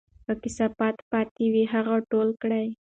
که کثافات پاتې وي، هغه ټول کړئ.